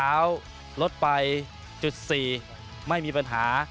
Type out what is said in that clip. ลดไปจุด๔ไม่มีปัญหา